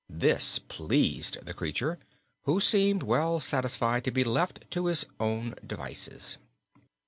This pleased the creature, who seemed well satisfied to be left to his own devices.